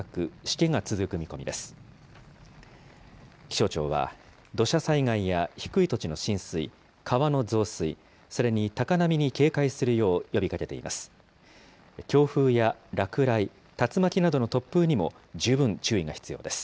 気象庁は、土砂災害や低い土地の浸水、川の増水、それに高波に警戒するよう呼びかけています。